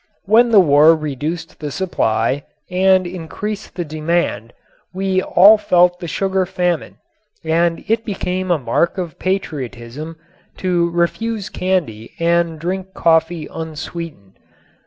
When the war reduced the supply and increased the demand we all felt the sugar famine and it became a mark of patriotism to refuse candy and to drink coffee unsweetened.